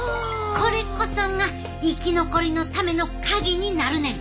これこそが生き残りのためのカギになるねん。